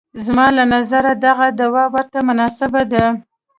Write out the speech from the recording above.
زما له نظره دغه دوا ورته مناسبه ده.